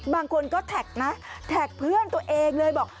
บางคนก็แท็กนะแท็กเพื่อนตัวเองเลยบอก